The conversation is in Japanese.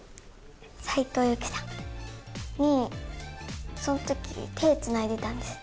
斉藤由貴さんに、そのとき、手をつないでたんです。